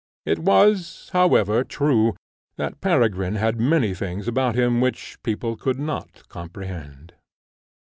It was, however, true that Peregrine had many things about him which people could not comprehend.